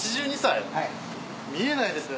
見えないですね。